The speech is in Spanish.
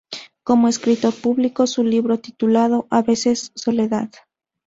Como escritora publico su libro titulado "A veces soledad".